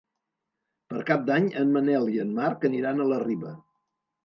Per Cap d'Any en Manel i en Marc aniran a la Riba.